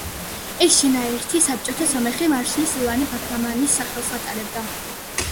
ეს შენაერთი საბჭოთა სომეხი მარშლის ივანე ბაგრამიანის სახელს ატარებდა.